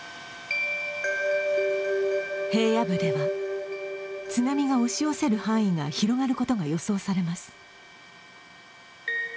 平野部では、津波が押し寄せる範囲が広がることが予想されます。